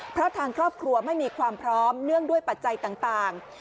เพราะทางครอบครัวไม่มีความพร้อมเนื่องด้วยปัจจัยต่าง